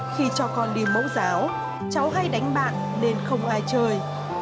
khi cho con đi mẫu giáo cháu hay đánh bạn nên không ai chơi